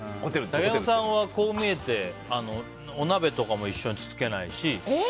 竹山さんは、こう見えてお鍋とかも一緒につつけないし。